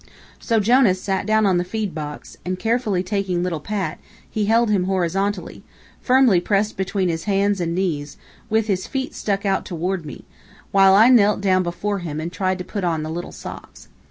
So Jonas sat down on the feed box, and carefully taking little Pat, he held him horizontally, firmly pressed between his hands and knees, with his feet stuck out toward me, while I knelt down before him and tried to put on the little socks.